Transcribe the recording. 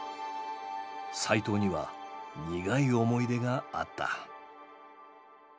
齋藤には苦い思い出があった。